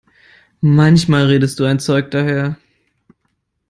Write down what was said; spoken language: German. Manchmal redest du ein Zeug daher!